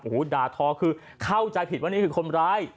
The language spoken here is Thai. โอ้โหด่าทอคือเข้าใจผิดว่านี่คือคนร้าย